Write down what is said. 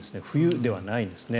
冬ではないんですね。